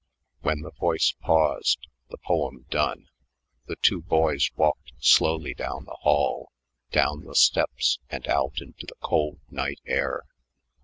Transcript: When the voice paused, the poem done, the two boys walked slowly down the hall, down the steps, and out into the cool night air.